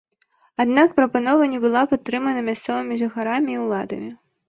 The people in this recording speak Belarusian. Аднак прапанова не была падтрымана мясцовымі жыхарамі і ўладамі.